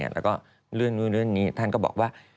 แล้วก็เรื่องนี้ท่านก็บอกว่า